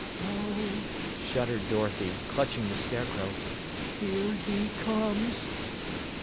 "Oh!" shuddered Dorothy, clutching the Scarecrow, "Here he comes!"